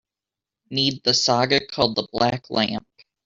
Need the saga called the Black Lamp